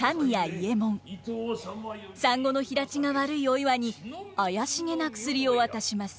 産後の肥立ちが悪いお岩に怪しげな薬を渡します。